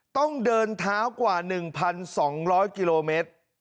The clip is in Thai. ต้องเดินเท้ากว่า๑๒๐๐กิโลเมตร